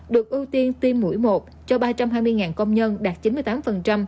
được ưu tiên tiêm mũi một cho ba trăm hai mươi công nhân